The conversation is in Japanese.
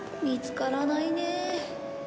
見つからないねえ。